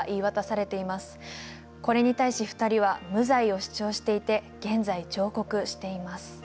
これに対し２人は無罪を主張していて現在上告しています。